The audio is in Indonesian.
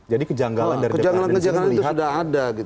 jadi kejanggalan dari jalanan ini melihat